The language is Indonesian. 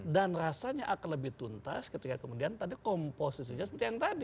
dan rasanya akan lebih tuntas ketika kemudian komposisinya seperti yang tadi